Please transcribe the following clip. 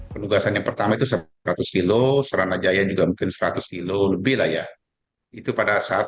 penugasan yang pertama itu seratus kilo seranajaya juga mungkin seratus kilo lebih lah ya itu pada saat